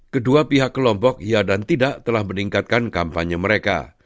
kedua pihak kelompok iya dan tidak telah meningkatkan kampanye mereka